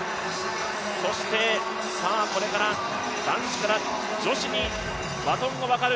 これから男子から女子にバトンが渡る。